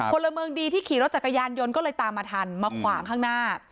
พลเมืองดีที่ขี่รถจักรยานยนต์ก็เลยตามมาทันมาขวางข้างหน้า